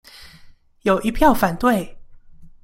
有一票反對